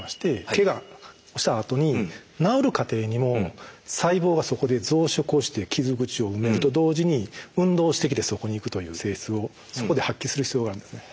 けがしたあとに治る過程にも細胞がそこで増殖をして傷口を埋めると同時に運動してきてそこに行くという性質をそこで発揮する必要があるんですね。